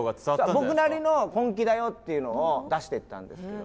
僕なりの本気だよっていうのを出してったんですけど。